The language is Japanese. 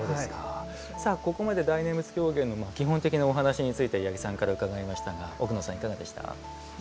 ここまで大念仏狂言の基本的なお話しについて八木さんから伺いましたが奥野さん、いかがでした？